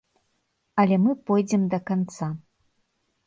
Але мы пойдзем да канца.